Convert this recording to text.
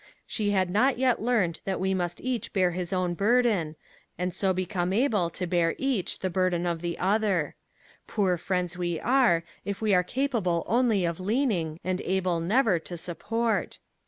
She had not yet learned that we must each bear his own burden, and so become able to bear each the burden of the other. Poor friends we are, if we are capable only of leaning, and able never to support.